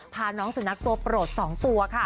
พาน้องสุนัขตัวโปรด๒ตัวค่ะ